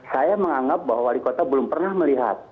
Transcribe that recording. saya menganggap bahwa wali kota belum pernah melihat